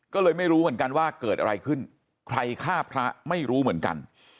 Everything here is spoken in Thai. ก็เลยไม่รู้เหมือนกันว่าเกิดอะไรขึ้นใครฆ่าพระไม่รู้เหมือนกัน